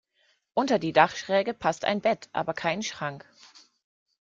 Unter die Dachschräge passt ein Bett, aber kein Schrank.